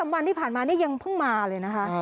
วันที่ผ่านมานี่ยังเพิ่งมาเลยนะคะ